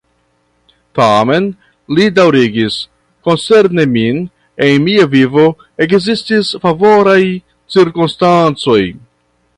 Tamen, li daŭrigis, koncerne min, en mia vivo ekzistis favoraj cirkonstancoj.